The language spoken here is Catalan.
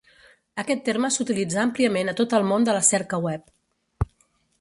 Aquest terme s'utilitza àmpliament a tot el món de la cerca web.